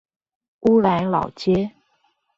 烏來老街